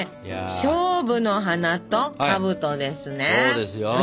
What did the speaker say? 菖蒲の花とかぶとですね。